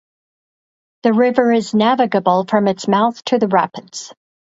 The river is navigable from its mouth to the rapids.